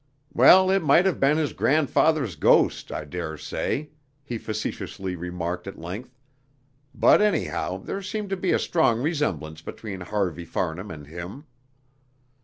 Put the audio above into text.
"Well, it might have been his grandfather's ghost, I daresay," he facetiously remarked at length, "but, anyhow, there seemed to be a strong resemblance between Harvey Farnham and him."